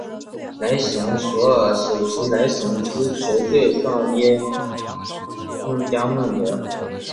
雷神索尔手持雷神之锤对上耶梦加得。